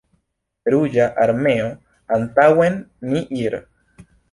Ruĝa armeo, antaŭen ni ir'!